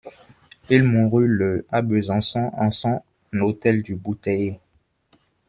Il mourut le à Besançon en son Hôtel du Bouteiller.